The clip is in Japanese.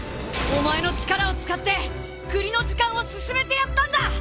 お前の力を使ってクリの時間を進めてやったんだ！